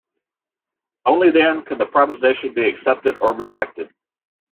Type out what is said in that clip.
Only then can the proposition be accepted or rejected.